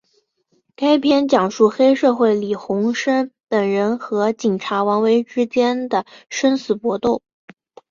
该片讲述黑社会李鸿声等人和警察王维之间的生死搏斗。